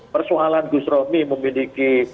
persoalan gus romi memiliki pandangan pribadi